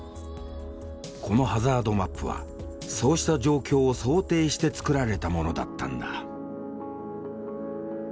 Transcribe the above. このハザードマップはそうした状況を想定して作られたものだったんだ。